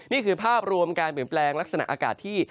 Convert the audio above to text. นี่คือภาพรวมการเปลี่ยนแปลงลักษณะอากาศที่